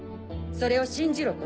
それを信じろと？